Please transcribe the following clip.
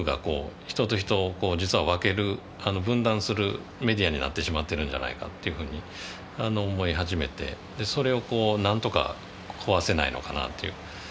人と人を実は分ける分断するメディアになってしまってるんじゃないかっていうふうに思い始めてそれをなんとか壊せないのかなっていう。